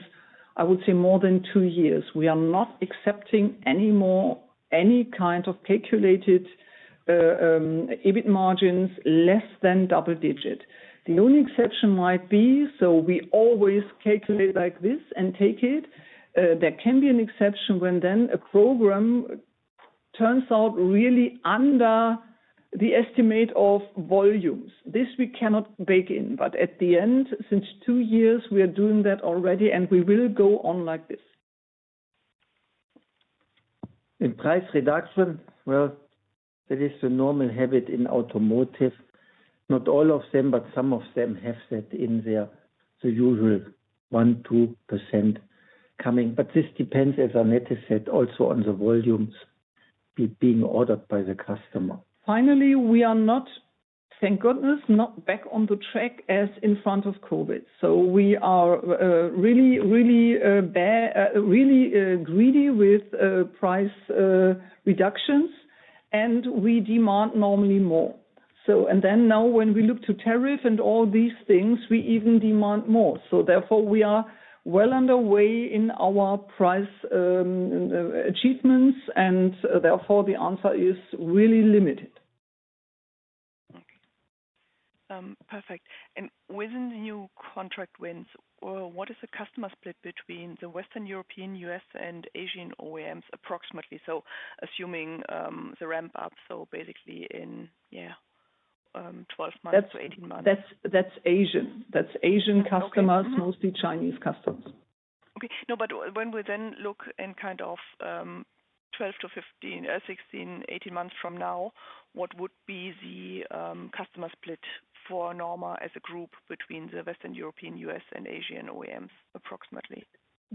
I would say, more than two years. We are not accepting any kind of calculated EBIT margins less than double digit. The only exception might be, we always calculate like this and take it. There can be an exception when a program turns out really under the estimate of volumes. This we cannot bake in. At the end, since two years, we are doing that already and we will go on like this. Price reduction is the normal habit in automotive. Not all of them, but some of them have that in there. The usual 1-2% coming. This depends, as Annette said, also on the volumes being ordered by the customer. Finally, we are not, thank goodness, not back on the track as in front of COVID. We are really, really greedy with price reductions and we demand normally more. Now when we look to tariff and all these things, we even demand more. Therefore, we are well underway in our price achievements and therefore the answer is really limited. Perfect. Within the new contract wins, what is the customer split between the Western European, U.S., and Asian OEMs approximately? Assuming the ramp up, basically in 12 months-18 months. That's Asian customers, mostly Chinese customers. Okay, when we then look in kind of 12 to 15, 16, 18 months from now, what would be the customer split for NORMA Group SE between the Western European, U.S., and Asian OEMs approximately?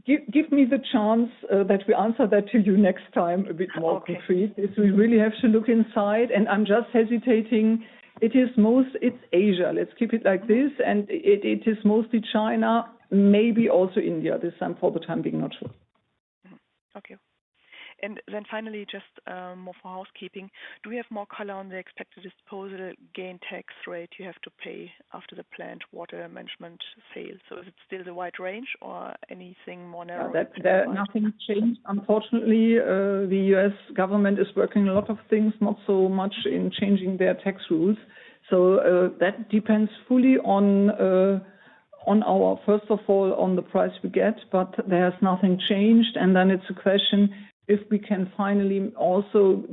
Give me the chance that we answer that to you next time a bit more, please. We really have to look inside, and I'm just hesitating. It is most, it's Asia. Let's keep it like this. It is mostly China, maybe also India. This is for the time being not true. Okay. Finally, just more for housekeeping, do we have more color on the expected disposal gain tax rate you have to pay after the planned water management sale? Is it still the wide range or anything more narrow? Nothing changed, unfortunately. The U.S. government is working on a lot of things, not so much in changing their tax rules. That depends fully on our, first of all, on the price we get, but nothing changed. It is a question if we can finally also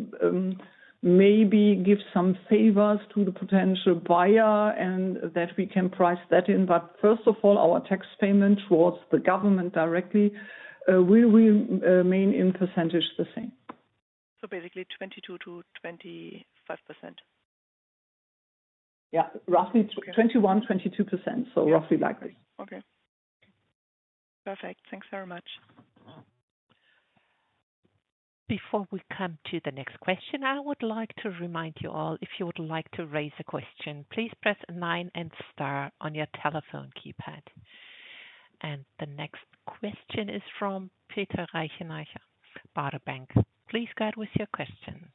maybe give some favors to the potential buyer and that we can price that in. First of all, our tax payment towards the government directly will remain in percentage the same. Basically, 22%-25%. Yeah, roughly 21%, 22%. So roughly like this. Okay. Perfect. Thanks very much. Before we come to the next question, I would like to remind you all, if you would like to raise a question, please press star and nine on your telephone keypad. The next question is from Peter Rothenaicher, Baader Bank. Please go ahead with your question.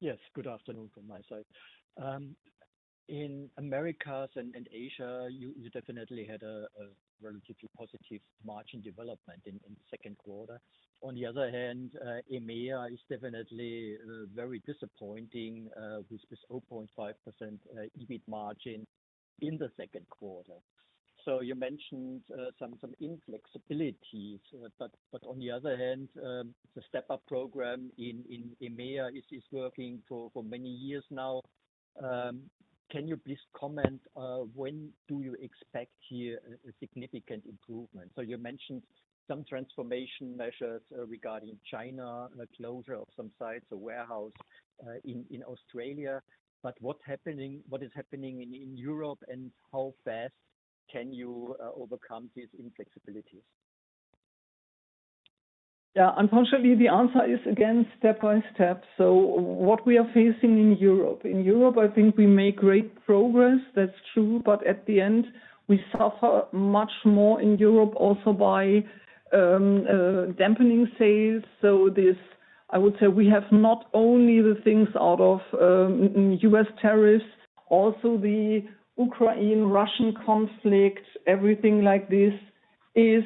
Yes, good afternoon from my side. In Americas and APAC, you definitely had a relatively positive margin development in the second quarter. On the other hand, EMEA is definitely very disappointing with this 0.5% EBIT margin in the second quarter. You mentioned some inflexibilities, but the step-up program in EMEA is working for many years now. Can you please comment when you expect here a significant improvement? You mentioned some transformation measures regarding China, closure of some sites or warehouse in Australia, but what is happening in Europe and how fast can you overcome these inflexibilities? Yeah, unfortunately, the answer is again step by step. What we are facing in Europe, I think we make great progress. That's true, but at the end, we suffer much more in Europe also by dampening sales. I would say we have not only the things out of U.S. tariffs, also the Ukraine-Russian conflict, everything like this is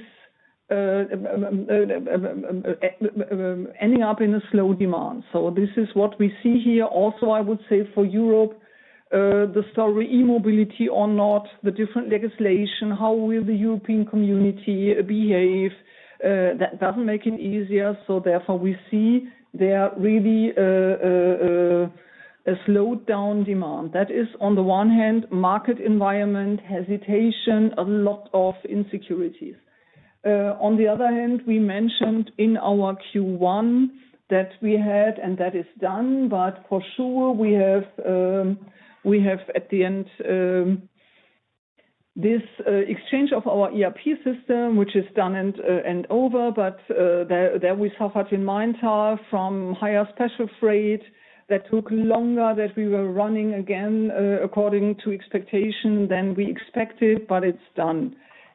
ending up in a slow demand. This is what we see here. I would say for Europe, the story e-mobility or not, the different legislation, how will the European community behave, that doesn't make it easier. Therefore, we see there really a slowed down demand. That is, on the one hand, market environment, hesitation, a lot of insecurities. On the other hand, we mentioned in our Q1 that we had, and that is done, but for sure, we have, at the end, this exchange of our ERP system, which is done and over, but there we suffered in mind from higher special freight that took longer that we were running again according to expectation than we expected, but it's done.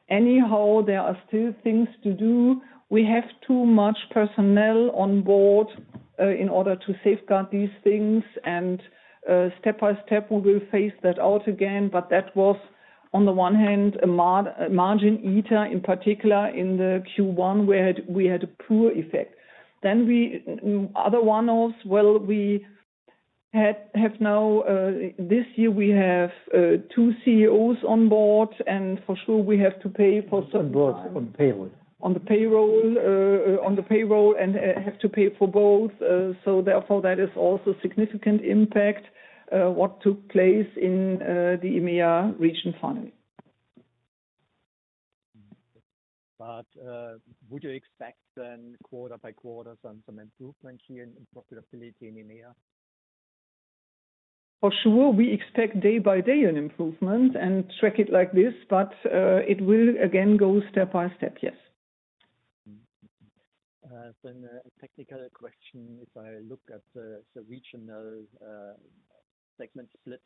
Anyhow, there are still things to do. We have too much personnel on board in order to safeguard these things, and step by step, we will phase that out again. That was, on the one hand, a margin eater, in particular in the Q1, where we had a poor effect. The other one was, we have now, this year, we have two CEOs on board, and for sure, we have to pay for. On the payroll. On the payroll, and have to pay for both. Therefore, that is also a significant impact on what took place in the EMEA region finally. Would you expect then quarter by quarter some improvement here in profitability in EMEA? For sure, we expect day by day an improvement and track it like this, but it will again go step by step, yes. A technical question. If I look at the regional segment split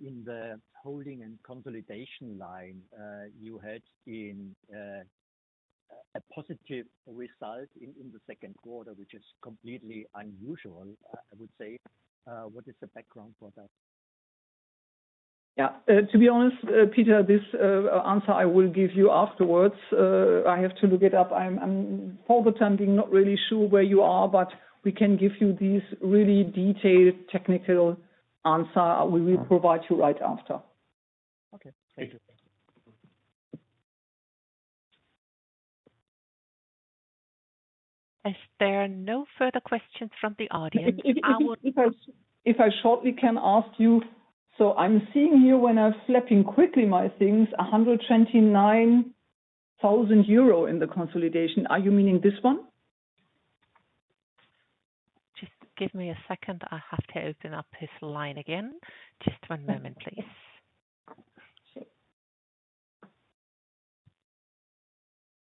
in the holding and consolidation line, you had a positive result in the second quarter, which is completely unusual, I would say. What is the background for that? To be honest, Peter, this answer I will give you afterwards. I have to look it up. For the time being, I'm not really sure where you are, but we can give you these really detailed technical answers. We will provide you right after. Okay, thank you. If there are no further questions from the audience. If I can ask you shortly, I'm seeing here when I'm flipping quickly my things, 129,000 euro in the consolidation. Are you meaning this one? Just give me a second. I have to open up this line again. Just one moment, please.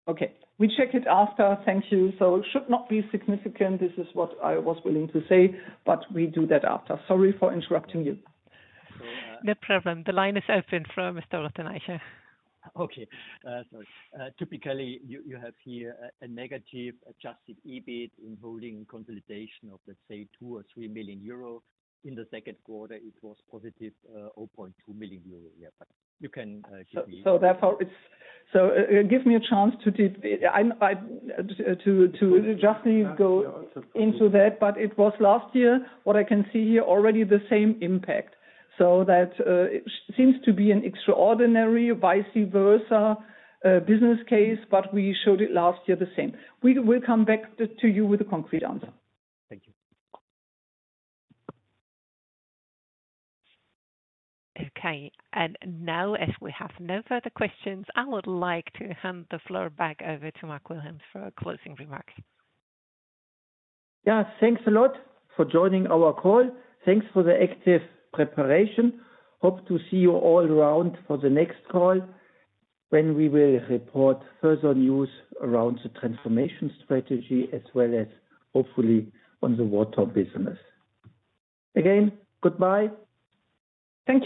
Okay, we check it after. Thank you. It should not be significant. This is what I was willing to say, but we do that after. Sorry for interrupting you. We're present. The line is open for Mr. Reothenaicher. Okay. Typically, you have here a negative adjusted EBIT in holding and consolidation of, let's say, 2 million or 3 million euro. In the second quarter, it was +0.2 million euro. Yeah, but you can give me. Therefore, give me a chance to just go into that, but it was last year. What I can see here already, the same impact. That seems to be an extraordinary, vice versa business case, but we showed it last year the same. We will come back to you with a concrete answer. Thank you. Okay, if we have no further questions, I would like to hand the floor back over to Mark Wilhelms for closing remarks. Yeah, thanks a lot for joining our call. Thanks for the active preparation. Hope to see you all around for the next call when we will report further news around the transformation strategy as well as hopefully on the water management business. Again, goodbye.